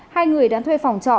hai người đã thuê phòng trọ